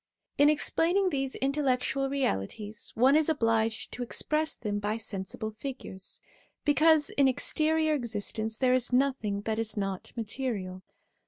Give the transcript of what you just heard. In explaining these intellectual realities, one is obliged to express them by sensible figures, because in exterior existence there is nothing that is not material.